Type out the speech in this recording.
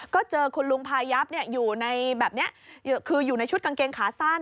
ก็เจอคุณลุงพายับอยู่ในแบบนี้คืออยู่ในชุดกางเกงขาสั้น